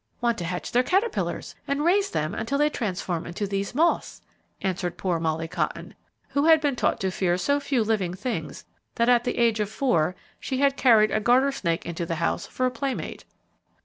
"Want to hatch their caterpillars, and raise them until they transform into these moths," answered poor Molly Cotton, who had been taught to fear so few living things that at the age of four she had carried a garter snake into the house for a playmate.